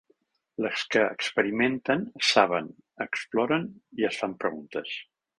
Les que experimenten, saben, exploren i es fan preguntes.